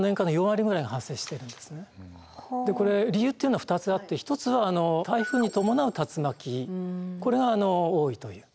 でこれ理由っていうのは２つあって一つは台風に伴う竜巻これが多いという。